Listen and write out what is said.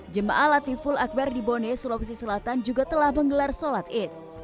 jemaah latiful akbar di bone sulawesi selatan juga telah menggelar sholat id